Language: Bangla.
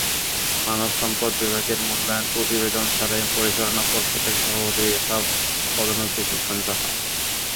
মানবসম্পদ বিভাগের মূল্যায়ন প্রতিবেদন ছাড়াই পরিচালনা পর্ষদের সভাতেই এসব পদোন্নতির সিদ্ধান্ত হয়।